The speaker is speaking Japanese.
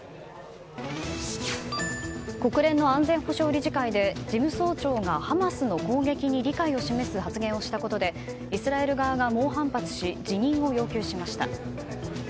国連の安全保障理事会で事務総長がハマスの攻撃に理解を示す発言をしたことでイスラエル側が猛反発し辞任を要求しました。